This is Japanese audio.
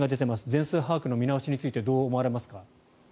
全数把握の見直しについてどう思われますか？